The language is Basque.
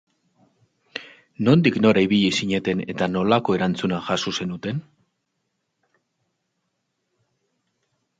Nondik nora ibili zineten eta nolako erantzuna jaso zenuten?